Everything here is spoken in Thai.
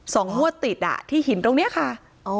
สองนวดติดที่หินตรงนี้ค่ะ